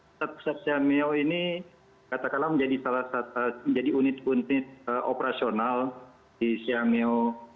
pusat pusat simeo ini katakanlah menjadi salah satu unit operasional di simeo